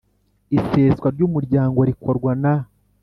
Iseswa ry umuryango rikorwa na